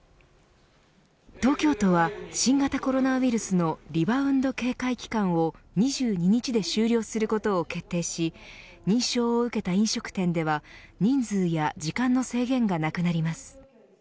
東京都は新型コロナウイルスのリバウンド警戒期間を２２日で終了することを決定し認証を受けた飲食店では人数や時間の制限がなくなります。